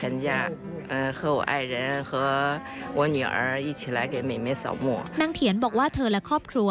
นางเถียนบอกว่าเธอและครอบครัว